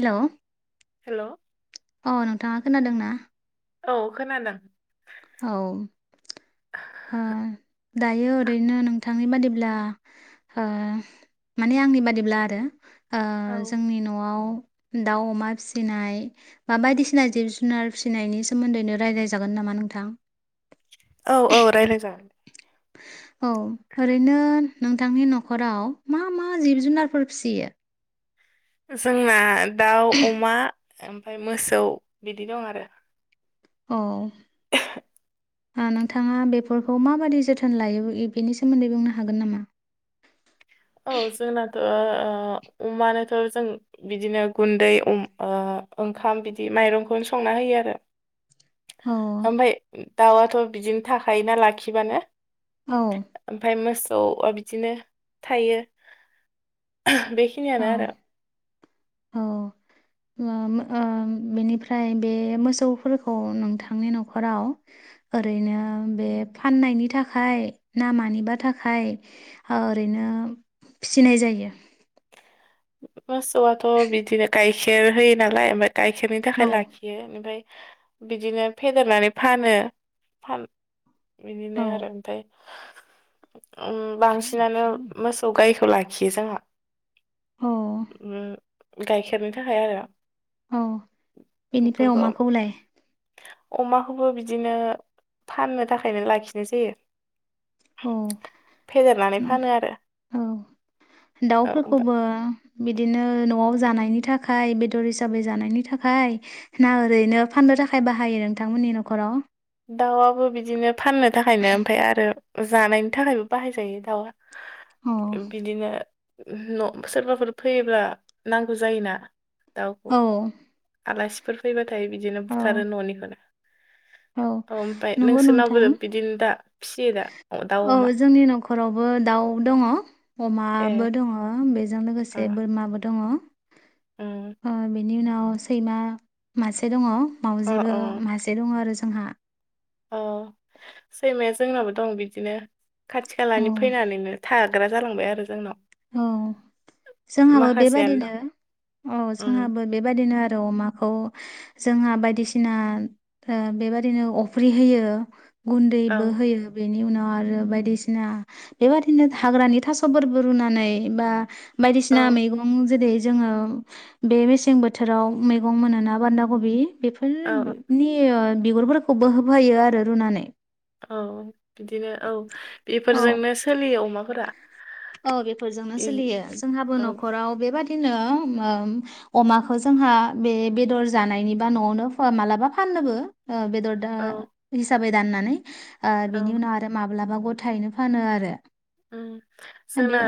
हेल'। Hello. अ नोंथाङा खोनादों ना? औ खोनादों। औ। दायो ओरैनो नोंथांनि बादिब्ला ओ माने आंनि बादिब्ला आरो ओ औ जोंनि न'आव दाउ अमा फिसिनाय बा बायदिसिना जिब जुनार फिसिनायनि सोमोन्दैनो रायज्लायजागोन नामा नोंथां? औ औ रायलाय जागोन। औ ओरैनो नोंथांनि न'खराव मा मा जिब जुनारफोर फिसियो? जोंना दाउ अमा ओमफ्राय मोसौ बिदि दं आरो। औ। नोंथाङा बेफोरखौ माबाददि जोथोन लायो बेनि सोमोन्दै बुंनो हागोन नामा? औ जोंनाथ' ओ-ओ अमानोथ' जों बिदिनो गुन्दै उम ओ ओंखाम बिदि माइरंखौनो संना होयो आरो। औ ओमफाय दाउआथ' बिदिनो थाखायोना लाखिबानो। औ। ओमफाय मोसौआ बिदिनो थायो बेखिनियानो औ आरो। ओम ओम बेनिफ्राय बे मोसौफोरखौ नोंथांनि न'खराव ओरैनो बे फाननायनि थाखाय ना मानिबा थाखाय ओरैनो फिसिनाय जायो? मोसौआथ' बिदिनो गाइखेर होयो नालाय ओमफ्राय गाइखेरनि औ थाखाय लाख यो ओमफाय बिदिनो फेदेरनानै फानो फान औ बिनिनो आरो ओमफाय [inaudible] ओम बांसिनानो मोसौ गायखौ लाखियो जोंहा। औ उम गाइखेरनि थाखाय आरो। औ [inaudible] बेनिफ्राय बेेफोरखौ अमाखौलाय अमाखौबो बिदिनो फाननो थाखायनो लाखिनाय जायो औ फेजेरनानै फानो आरो औ औ ओमफ्राय दाउफोरखौबो बिदिनो न'आव जानायनि थाखाय बेदर हिसाबै जानायनि थाखाय ना ओरैनो फाननो थाखाय बाहायो नोंथांमोननि न'खराव? दाउआबो बिदिनो फाननो थाखायनो ओमफ्राय आरो जानायनि थाखायबो बाहायजायो अ दाउआ बिदिनो न' सोरबाफोर फैयोब्ला नांगौ जायोना। दाउखौ औ आलासिफोर फैबाथाय बिदिनो औ बुथारो न'निखौनो। औ ओमफ्राय नंगौ नोंसोरनावो नोंथां बिदिनो दा फिसियो दा अ दाउ औ अमा जोंनि न'खरावबो दाउ दङ ए अमाबो दङ बेजों लोगोसे अ से बोरमाबो दङ उम बेनि उनाव सैमा मासे दङ। अ मावजिबो मासे दङ आरो जोंहा। औ सैमाया जोंनाबो दं बिदिनो खाथि औ खालानि फैनानैनो थार ग्रा जालांबाय आरो जोंनाव। औ जोंहाबो माखासेयानो बेबादिनो दं औ उम जोंहाबो बेबायदिनो आरो अमाखौ जोंहा बायदिसिना ओ बेबादिनो अफ्रि होयो। औ गुन्दैबो होयो। बेनि उनाव आरो बायदिसिना बेबादिनो हाग्रानि थास'फोरबो रुनानै बा बायदिसिना औ मैगं गं जेरै जोङो बे मेसें बोथोराव मैगं मोनोना बान्दा कबि औ बेफोरनोनि बिगुरफोरखौबो होफायो आरो रुनानै। औ बिदिनो औ औ बेफोरजोंनो सोलियो अमाफोरा। औ बेफोरजोंनो इ- सोलियो जोंहाबो औ न'खराव बेबादिनो ओम अमाखौ जोंहा बे बेदर जानायनि बा न'आवनो ओ मालाबा फाननोबो बेदर दा औ। हिसाबै दाननानै ओ औ बेनि उनाव आरो माब्लाबा गथायैनो फानो आरो। बे जोंना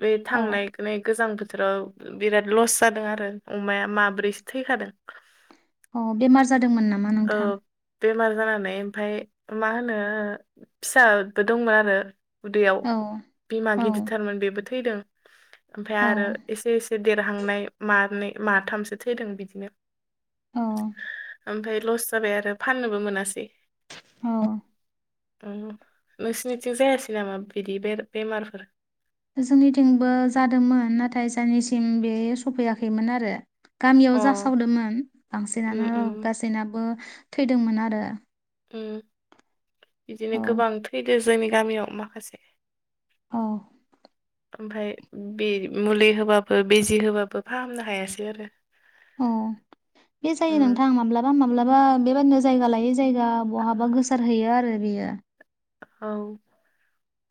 बे औ थांनाय गोजां बोथोराव बिराद लस जादों आरो अमाया माब्रैसो थैखादों। अ बेमार जादोंमोन नामा ओ नोंथां? बेमार जानानै ओमफाय मा होनो ओ फिसाबो दंमोन आरो उदैयाव। औ। बिमा औ गिदिरथारमोन बेबो थैदों ओमफ्राय औ आरो एसे एसे से देरहांनाय मनै माथामसो थैदों बिदिनो ओं। ओमफ्राय लस जाबाय आरो फाननोबो मोनासै। औ। अ नोंसोरनिथिं जायासै नामा बिदि बे बेमारफोर? जोंनिथिंबो जादोंमोन नाथाय जोंनिसिम बे सफैयाखैमोन आरो। गामियाव अ जासावदोंमोन उम बांसिनानो उम गासैनाबो थैदोंमोन आरो। उम बिदिनो औ गोबां थैदो जोंनि गामियाव माखासे। औ। ओमफ्राय बे मुलि होबाबो बिजि होबाबो फाहामनो हायासै आरो। अ बे जायो उम नोंथां माब्ला बा माब्लाबा बेबादिनो जायगा लायै जायगा बहाबा गोसारहैयो आरो बेयो। औ।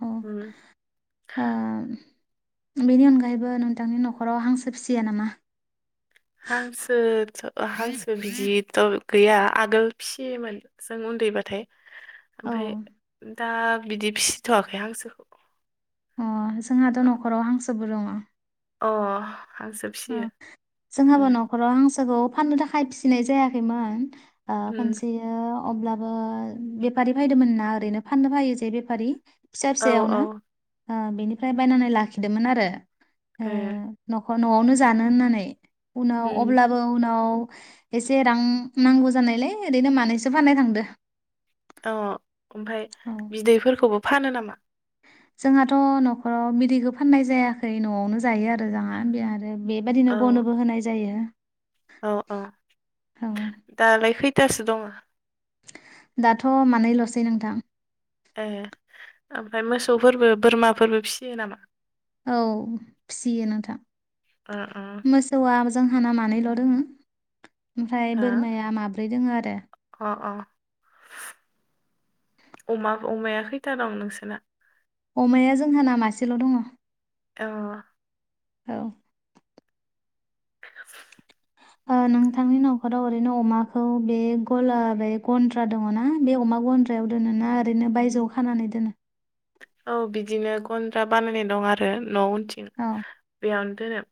उम बेनि अनगायैबो नोंथांनि न'खराव हांसो फिसिया नामा? हांसो' हांसो बिजिथ' गैया आगोल फिसियोमोन। जों उन्दैबाथाय औ ओमफ्राय दा बिदि फिसिथ'वाखै हांसोखौ। अ जोंहाथ' न'खराव हांसोबो दङ। अ हां-हांसो उम जोंहाबो न'खराव हांसोखौ फाननो थाखाय फिनाय जायाखैमोन। ओ उम खनसे ओ अब्लाबो बेफारि फैदोंमोनना ओरैनो फाननो फैयो जे बेफारि फिसा औ औ फिसायावनो ओ बिनिफ्राय बायनानै लाखिदोंमोन आरो। ओ ए नखर न'आवनो जानो होननानै उनाव उम अब्ला उनाव एसे रां नांगौ जानायलाय ओरैनो मानैसो फाननो थांदों। अ ओमफाय औ बिदैफोरखौबो फानो नामा? जोंहाथ' न'खराव बिदैखौ फाननाय जायाखै न'आवनो जायो आरो जोंहा बि आरो बेबायदिनो गनोबो होनाय जायो। अ अ औ दालाय खैथासो दङ? दाथ' मानैल'सै नोंथां। ए ओमफाय मोसौफोरबो बोरमाफोरबो फियो नामा? औ फियो नोंथां ओ ओ मो सौआ जोंहाना मानैल' दोङो ओमफ्राय हा बोरमाया माब्रै दोङो आरो। अ अ अमा अमाया खैथा दं नोंसोरना? अमाया जोंहा ना मासेल' दङ। अ औ [inaudible] ओ नोंथांनि न'खराव ओरैनो अमाखौ बे गला बे गन्द्रा दङना बे अमा गन्द्रा याव दोनो ना ओरैनो बायजोआव खानानै दोनो। औ बिदिनो गन्द्रा बानायनाय दं आरो न' उनथिं अ बेयावनो दोनो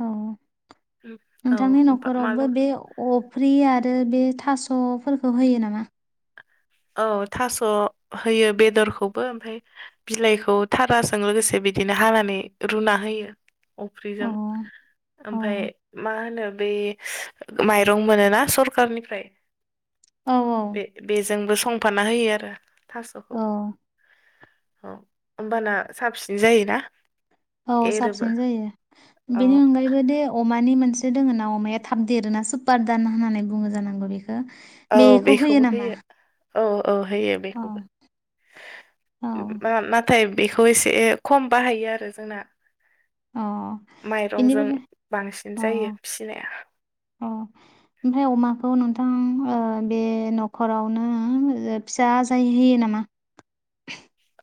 औ उम, औ नोंथांनि ओमफा- न'खरावबो मालाबा बे अफ्रि आरो बे थास'फोरखौ होयो नामा? औ थास' होयो बेदरखौबो ओमफ्राय बिलाइखौ थाराजों लोगोसे बिदिनो हानानै रुना होयो अ अफ्रिजों। औ ओमफाय मा होनो बे माइरं मोनोना सरखारनिफ्राय। औ औ बे बेजोंबो संफाना होयो आरो थास'खौ औ औ। होमबाना साबसिन जायोना? औ एरोबो साबसिन जायो औ बेनि अनगायैबो दे अमानि मोनसे दोङोना अमाया थाब देरोना सुपार दाना होननानै बुङो जानांगौ बेखौ। औ बेखौ होयो बेखौबो नामा? औ औ होयो अ बेखौबो औ मा मा नाथाय बेखौ एसे खम बाहायो आरो जोंना। अ माइरंजों बेनिफ्राय बांसिन जायो अ फिनाया। अ ओमफ्राय अमाखौ नोंथां ओ बे न'खरावनो फिसा आजाय होयो नामा?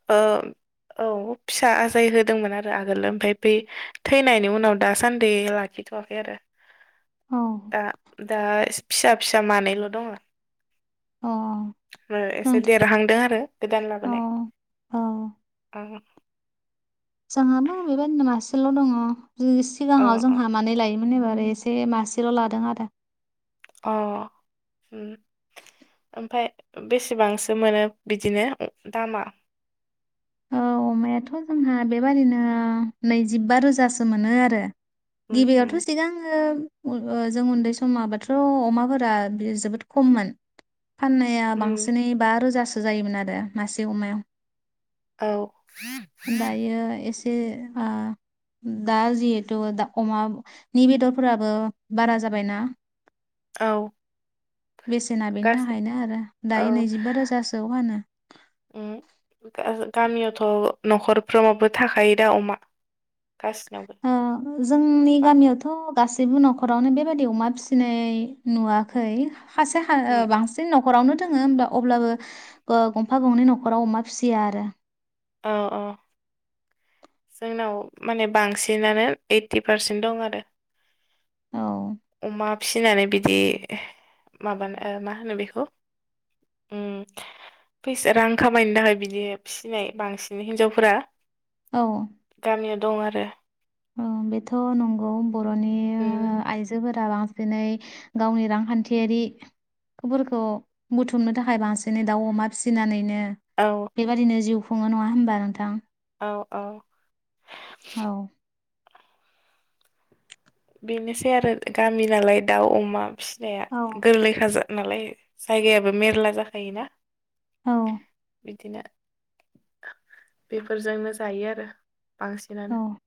ओ औ फिसा आजाय होदोंमोन आरो आगोल ओमफाय बे थैनायनि उनाव दासान्दि ला खिथ'आखै आरो औ दा दा फिसा फिसा मानैल' दङ। अ ओ एसे नोंथां देरहांदों आरो गोदान अ लाबोनाय औ ओ। जोंहा मा बेबायदिनो मासेल' दङ अ सिगाङाव अ जोंहा मानै लायो मोन एबार एसे मासेल' लादों आरो। अ उम ओमफ्राय बेसेबांसो मोनो बिदिनो दामा? औ अमायाथ' जोंहा बेबादिनो नैजिबा रोजासो मोनो आरो। उम उम गिबियावथ' सिगां आङो उम ओ जों उन्दै समाबथ' अमाफोरा जोबोद खममोन। फाननाया उम बांसिनै बा रोजासो जायोमोन आरो मासे अमायाव। औ दायो एसे आ दा जिहेथु दा अमानि बेदरफोराबो बारा जाबायना। औ बेसेना बेनि गासै थाखायनो आरो औ दायो नैजिबा रोजासोआव फानो। उम ओ गामियावथ' न'खरफ्रोमावबो थाखायो दा अमा। गासिनावबो। ओ जोंनि बा गामियावथ' गासैबो न'खरावनो बेबायादि अमा फिसिनाय नुवाखै। खासे हा उम ओ उम बांसिन न'ख खरावनो दोङो होमब्ला अब्लाबो गंफा गंनै न'खराव अमा फिसिया आरो। औ औ। जोंनाव माने बांसिनानो ओइटि पारसेन्ट दं आरो। औ। अमा फिनानै बिदि माबानो ओ मा होनो बेखौ? ओम फैसा रां खामायनो थाखाय बिदि फिसिनाय बांसिन हिनजावफोरा औ। गामियाव दं आरो। औ बेथ' नंगौ बर'नि उम आ-आइजोफोरा बां सिनै गावनि रांखान्थियारि फोरखौ बुथुमनो थाखाय बांसिनै दाउ अमा फिसिनानैनो औ। बेबायादिनो जिउ खुङो नङा होमबा नोंथां? औ औ। औ। बेनोसै आरो गामि नालाय दाउ अमा फिनाया औ गोरलैखाजार नालाय ओ। जायगायाबो मेरला जाखायोना। औ। बिदिनो बेफोरजोंनो जायो आरो बांसिनानो। औ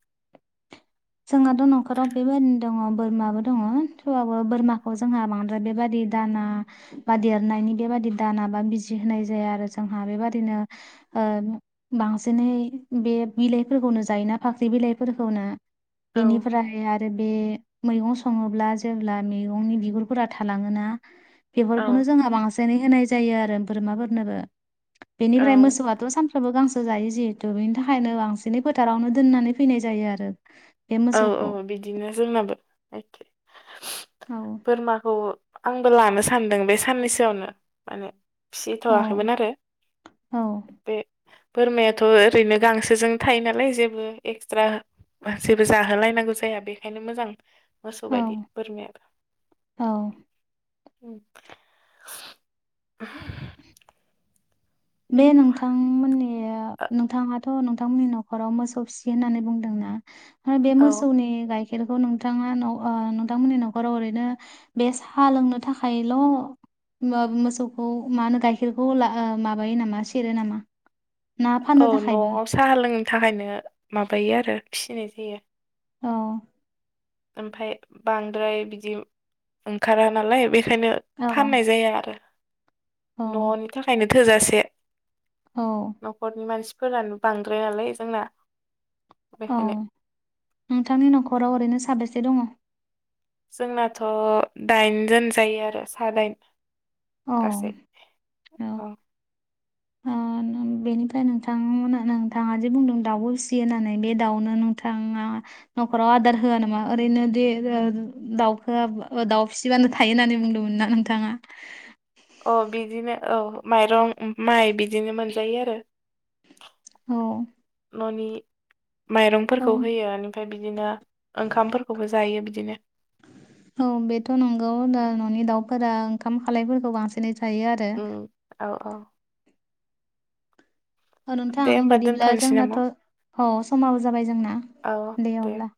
जोंहाथ' न'खराव बेबायदिनो दङ बोरमाबो दङ थेवबाबो बोरमाखौ जोंहा बांद्राय बेबादि दाना बा देरनायनि बेबायादि दाना बा बिजि होनाय जाया आरो जोंहा बेबादिनो ओ बांसिनै बे बिलाइफोरखौनो जायोना फाख्रि बिलाइफोरखौनो। औ बेनिफ्राय बे आरो बे मैगं सङोब्ला जेब्ला मैगंनि बिगुरफोरा थालाङोना औ बेफोरखौनो जोंहा बांसिनै होनाय जायो आरो बोरमाफोरनोबो बेनिफ्राय औ मोसौआ थ' सानफ्रोमबो गांसो जायो जिहेथु बेनि थाखायनो बांसिनै फोथारावनो दोननानै फैनाय जायो आरो। बे औ मोसौखौ औ बिदिनो जोंनाबो एखे। औ। बोरमाखौ आंबो लानो सानदों बे साननैसोआवनो माने। औ फिसिथ'वाखैमोन आरो औ बे बोरमायाथ' ओरैनो गांसोजों थायो नालाय जेबो एक्सट्रा जेबो जाहोलायनांगौ जाया बेखायनो मोजां। मोसौ बायदि बोरमयाबो औ उ [inaudible] बे नोंथां मोननि नोंथाङाथ' नोंथांमोननि न'खराव, मोसौ फिसियो होननानै बुंदोंना? फाय बे औ मोसौनि गाइखेरखौ नोंथाङा ओ नोंथांमोननि न'खराव ओरैनो बे सा लोंनो थाखायल' होमबाबो मोसौखौ मा होनो गाइखेरखौ ओ ला ओ माबायो नामा सेरो नामा? ना फाननो औ थाखायबो न'आव साहा लोंनो थाखायनो माबायो आरो फिसिनाय जायो। अ ओमफ्राय बांद्राय बिदि ओंखारा नालाय बेखायनो औ फाननाय जाया आरो औ न'नि थाखायनो थोजासे औ न'खरनि मानसिफोरानो बांद्राय नालाय जोंना औ बेखायनो नोंथांनि न'खराव ओरैनो साबेसे दङ? जोंनाथ' दाइन जोन जायो आरो सानै अ औ उ बेनिफ्राय नोंथांमोना नोंथाङा जे बुंदों दाउबो फिसियो होननानै बे दाउनो नोंथाङा न'खराव आदार होआ नामा? ओरैनो देरो दाउफोरा ओ दाउ फि सिबानो थायो होननानै बुंदोंमोन ना नोंथाङा? औ बिदिनो औ माइरं, माइ बिदिनो मोनजायो आरो औ न'नि औ माइरंफोरखौ होयो एनिफ्राय बिदिनो ओंखामफोरखौबो जायो बिदिनो औ बेथ' नंगौ दा न'नि दाउफोरा ओंखाम खालायफोरखौ बांसिनै जायो आरो उम औ औ औ दे नोंथां, होमबा बिदिब्ला दोनथ'नोसै नामा जोंनाथ' औ समाबो जाबाय जोंना दे अब्ला